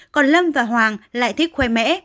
còn lâm và hoàng lại thích khoe mẽ